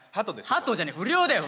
ハトじゃねえ不良だよ